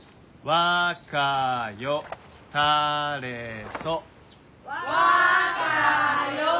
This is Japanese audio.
「わかよたれそ」。